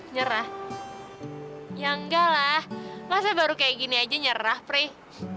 nyerah ya enggak lah masa baru kayak gini aja nyerah frit